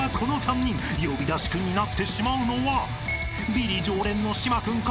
［ビリ常連の島君か？